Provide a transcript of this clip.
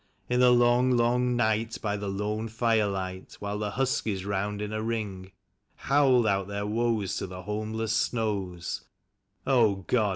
In the long, long night, by the lone firelight, while the huskies, round in a ring, Howled out their woes to the homeless snows — God